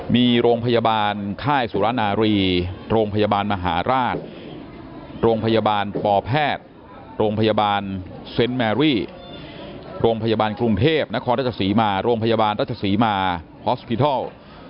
มีโรงพยาบาลค่ายสุรนารีโรงพยาบาลมหาราชโรงพยาบาลปแพทย์โรงพยาบาลเซ็นต์แมรี่โรงพยาบาลกรุงเทพนครราชสีมาโรงพยาบาลรัชศรีมาฮอสพิทัล